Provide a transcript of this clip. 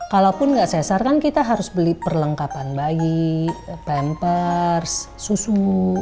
kalaupun nggak sesar kan kita harus beli perlengkapan bayi pampers susu